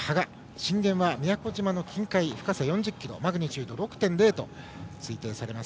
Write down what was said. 震源は宮古島の近海深さ４０ｋｍマグニチュード６．０と推定されます。